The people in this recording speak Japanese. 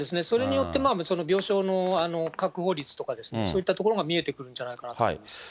それによって、その病床の確保率とか、そういったところが見えてくるんじゃないかなと思います。